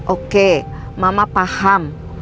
oke mama paham